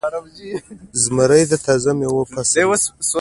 زمری د تازه میوو فصل دی.